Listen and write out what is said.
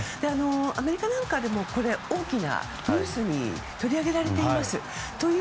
アメリカなんかでも大きなニュースとして取り上げられています。